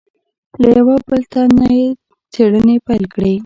له یوه بل تن نه یې څېړنې پیل کړې.